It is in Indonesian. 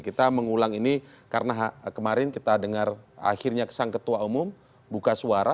kita mengulang ini karena kemarin kita dengar akhirnya sang ketua umum buka suara